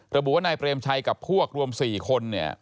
ระบุว่านายเตรียมชัยกับพวกรวม๔คน